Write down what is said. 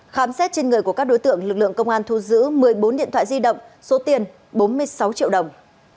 khám xét trên người của các đối tượng lực lượng công an thu giữ một mươi bốn điện thoại di động số tiền bốn mươi sáu triệu đồng